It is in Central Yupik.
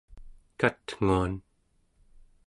katnguan